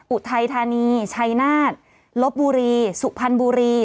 อุทัยธานีชัยนาฏลบบุรีสุพรรณบุรี